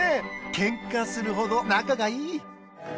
ケンカするほど仲がいい！